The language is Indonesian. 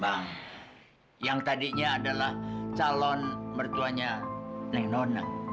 bang yang tadinya adalah calon mertuanya neng noneng